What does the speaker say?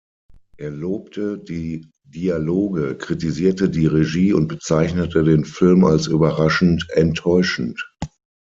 Er lobte die Dialoge, kritisierte die Regie und bezeichnete den Film als überraschend enttäuschend.